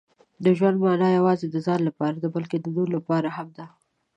• د ژوند مانا یوازې د ځان لپاره نه، بلکې د نورو لپاره هم ده.